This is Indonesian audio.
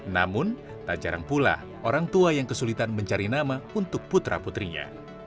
namun tak jarang pula orang tua yang kesulitan mencari nama untuk putra putrinya